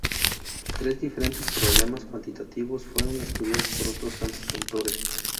Tres diferentes problemas cuantitativos fueron estudiados por otros tantos autores.